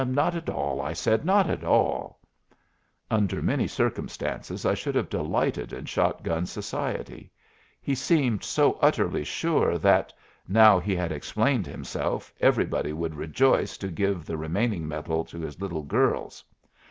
"Not at all," I said; "not at all!" Under many circumstances I should have delighted in Shot gun's society. He seemed so utterly sure that, now he had explained himself, everybody would rejoice to give the remaining medal to his little girls.